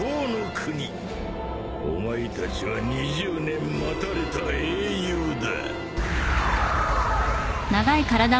お前たちは２０年待たれた英雄だ。